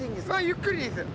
ゆっくりでいいです。